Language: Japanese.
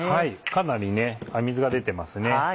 かなり水が出てますね。